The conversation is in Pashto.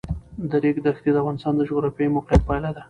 د ریګ دښتې د افغانستان د جغرافیایي موقیعت پایله ده.